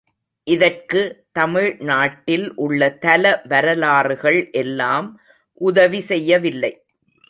இதற்கு தமிழ் நாட்டில் உள்ள தல வரலாறுகள் எல்லாம் உதவி செய்யவில்லை.